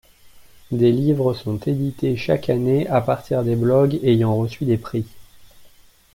Des livres sont édités chaque année à partir des blogs ayant reçu des prix.